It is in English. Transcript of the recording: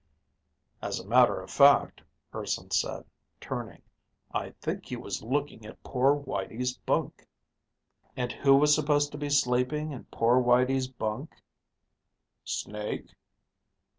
"As a matter of fact," Urson said, turning, "I think he was looking at poor Whitey's bunk." "And who was supposed to be sleeping in poor Whitey's bunk?" "Snake?"